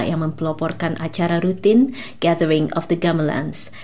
yang mempeloporkan acara rutin gathering of the gamelans